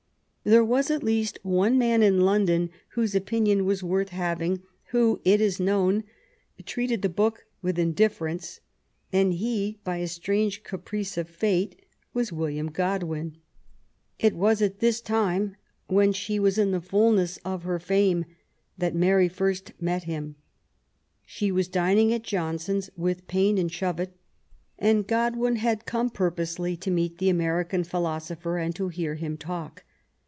There was at least one man in London whose opinion was worth having who, it is known, treated the book with iudifiference, and he, by a strange caprice of fate, was William Godwin. It was at this time, when she was in the fulness of her fame, that Mary first met him. She was dining at Johnson's with Paine and Shovet, and Godwin had come purposely to meet the American philosopher and to hear him talk.